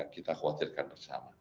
kita khawatirkan bersama